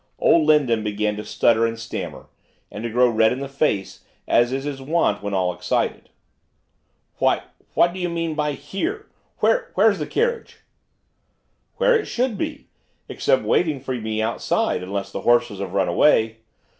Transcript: Old Lindon began to stutter and stammer, and to grow red in the face, as is his wont when at all excited. 'W what do you mean by here? wh where's the carriage?' 'Where should it be, except waiting for me outside, unless the horses have run away.